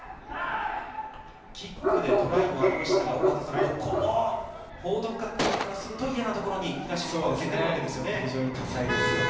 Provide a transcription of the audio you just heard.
キックでトライもありましたが、大畑さん、ここも報徳学園からすると嫌なところに東福岡は蹴ってくるわけですよね。